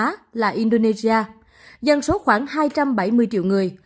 đông nam á là indonesia dân số khoảng hai trăm bảy mươi triệu người